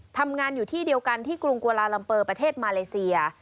ทำงานอยู่ที่เดียวกันที่กรุงกวาลาลัมเปอร์ประเทศมาเลเซีย